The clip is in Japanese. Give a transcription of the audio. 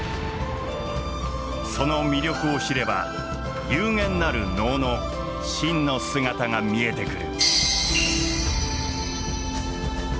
その魅力を知れば幽玄なる能の真の姿が見えてくる。